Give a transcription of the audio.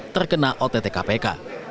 terkena ott kpk